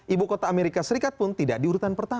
ibu kota amerika serikat pun tidak diurutan pertama